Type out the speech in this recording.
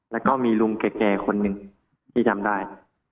แล้วก็มีลุงแก่คนหนึ่งที่จำได้